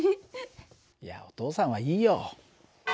いやお父さんはいいよ。